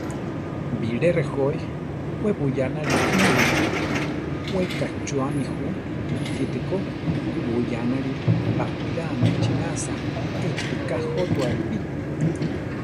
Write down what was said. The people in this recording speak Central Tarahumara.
Bilé rejói, we buyánali níwi, we kachúami ju; gítego, buyánari baʼwira maʼchinasa echi rika jótua ripí.